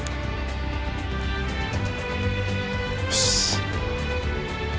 よし！